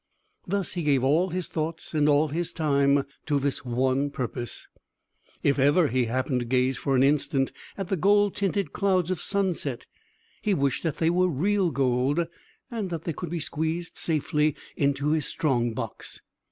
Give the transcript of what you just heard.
Thus, he gave all his thoughts and all his time to this one purpose. If ever he happened to gaze for an instant at the gold tinted clouds of sunset, he wished that they were real gold, and that they could be squeezed safely into his strong box.